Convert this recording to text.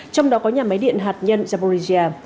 trong đó có nhà máy điện hạt nhân jaboregia